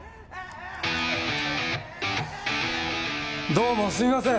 どうもすみません。